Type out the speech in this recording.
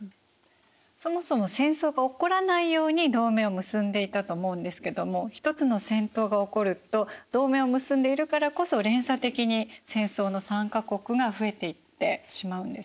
そもそも戦争が起こらないように同盟を結んでいたと思うんですけどもひとつの戦闘が起こると同盟を結んでいるからこそ連鎖的に戦争の参加国が増えていってしまうんですね。